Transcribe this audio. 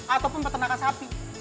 ataupun peternakan sapi